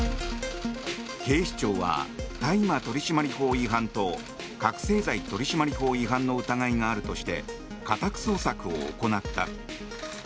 警視庁は、大麻取締法違反と覚せい剤取締法違反の疑いがあるとして家宅捜索を行った。